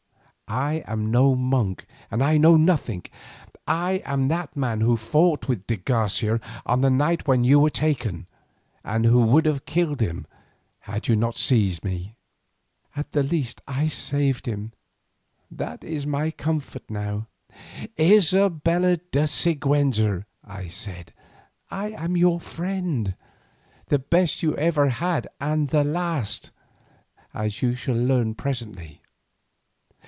"I am no monk and I know nothing. I am that man who fought with de Garcia on the night when you were taken, and who would have killed him had you not seized me." "At the least I saved him, that is my comfort now." "Isabella de Siguenza," I said, "I am your friend, the best you ever had and the last, as you shall learn presently.